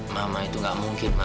mama itu gak mungkin mama